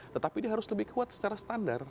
tetapi dia harus lebih kuat secara standar